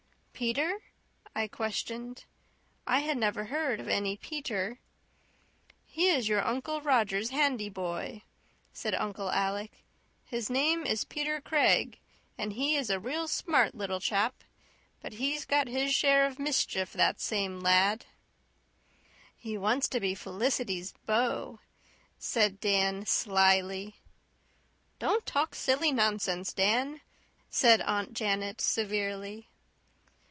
"Peter?" I questioned. I had never heard of any Peter. "He is your Uncle Roger's handy boy," said Uncle Alec. "His name is Peter Craig, and he is a real smart little chap. But he's got his share of mischief, that same lad." "He wants to be Felicity's beau," said Dan slyly. "Don't talk silly nonsense, Dan," said Aunt Janet severely.